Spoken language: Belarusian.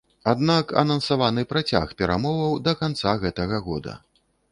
Аднак анансаваны працяг перамоваў да канца гэтага года.